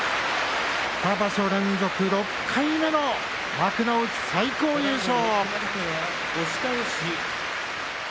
２場所連続６回目の幕内最高優勝。